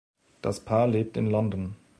Das Paar lebt in London.